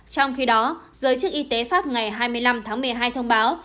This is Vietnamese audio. trong khi đó giới chức y tế pháp ngày hai mươi năm tháng một mươi hai thông báo